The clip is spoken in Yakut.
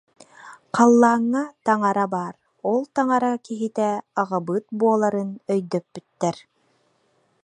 Халлааҥҥа таҥара баар, ол таҥара киһитэ аҕабыыт буоларын өйдөппүттэр